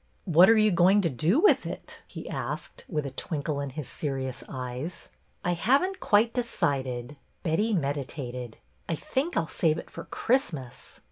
''What are you going to do with it?" he asked, with a twinkle in his serious eyes. " I have n't quite decided." Betty meditated. " I think I 'll save it for Christmas."